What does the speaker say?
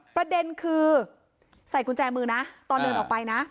ประเด็นคือใส่กุญแจมือนะตอนเดินออกไปนะ